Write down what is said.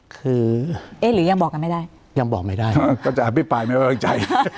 คือเอ๊ะหรือยังบอกกันไม่ได้ยังบอกไม่ได้ก็จะอภิปรายไม่ไว้วางใจ